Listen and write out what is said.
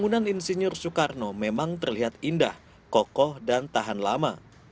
bangunan insinyur soekarno memang terlihat indah kokoh dan tahan lama